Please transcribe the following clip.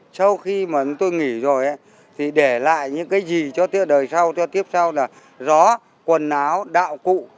sau khi mà chúng tôi nghỉ rồi ấy thì để lại những cái gì cho tiếp đời sau cho tiếp sau là gió quần áo đạo cụ